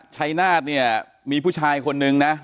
ชัยนาธเนี่ยมีผู้ชายคนนึงนะ